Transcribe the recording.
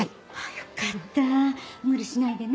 よかった無理しないでね。